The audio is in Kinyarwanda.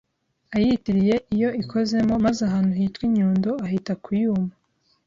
ayitiriye iyo ikozemo maze ahantu hitwa i Nyundo ahita ku yuma